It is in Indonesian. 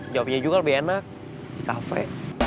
jawabnya juga lebih enak di kafe